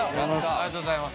ありがとうございます。